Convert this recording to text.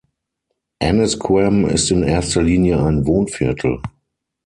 Annisquam ist in erster Linie ein Wohnviertel.